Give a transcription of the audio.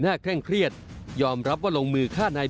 เครียดเหรอเครียดเหรอเค้าหาเรื่องเรามอยทำใช่ไหมคะ